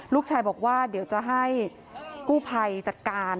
ลูกชายบอกว่าเดี๋ยวจะให้กู้ภัยจัดการ